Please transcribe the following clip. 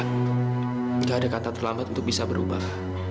tidak ada kata terlambat untuk bisa berubah